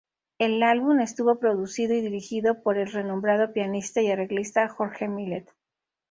El álbum estuvo producido y dirigido por el renombrado pianista y arreglista Jorge Millet.